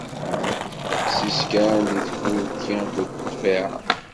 Ddeqs-is kan di tfulki akked ṭṭbiɛa.